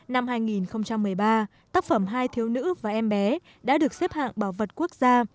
năm hai nghìn một mươi ba tác phẩm hai thiếu nữ và em bé đã được xếp hạng bảo vật quốc gia